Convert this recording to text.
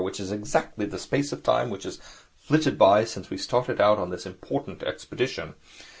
Which is exactly the space of time which has flitted by since we started out on this important expedition.